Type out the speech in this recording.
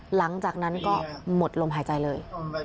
หลังจากนั้นก็หมดลมหายใจเลย